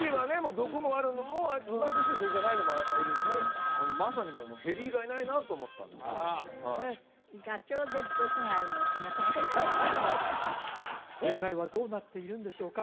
毒があるのもいますし毒がないのもいるんでまさにもうヘビ以外ないなと思ったんで正解はどうなっているんでしょうか？